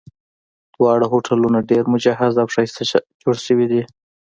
دواړه هوټلونه ډېر مجهز او ښایسته جوړ شوي دي.